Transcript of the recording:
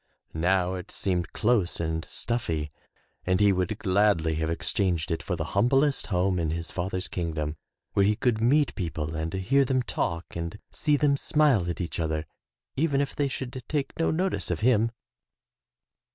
Now it seemed close and stuffy and he would gladly have exchanged it for the humb lest home in his father's kingdom where he could meet people and hear them talk and see them smile at each other, even if they should take no notice of him.